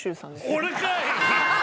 俺かい！